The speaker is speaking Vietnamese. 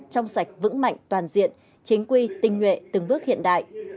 trong sạch vững mạnh toàn diện chính quy tinh nhuệ từng bước hiện đại